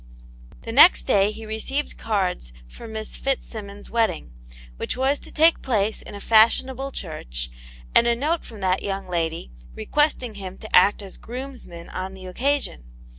THE next day h^ received cards for Miss Fitz simmons* wedding, which was to take place in a fashionable church, |ind a note from that young lady, requesting him to act as groomsman on the occasion.